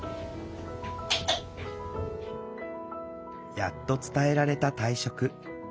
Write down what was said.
やっと伝えられた退職。